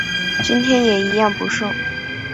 今天也一样不顺